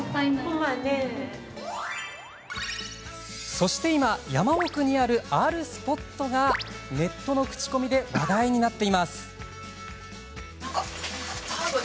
そして今、山奥にあるあるスポットがネットの口コミで話題になっています。